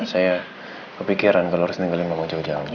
saya kepikiran kalau harus tinggalin mama jauh jauh